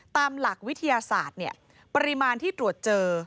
ตามหลักวิทยาศาสตร์ปริมาณที่ตรวจเจอ